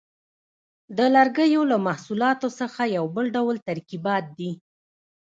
د لرګیو له محصولاتو څخه یو بل ډول ترکیبات دي.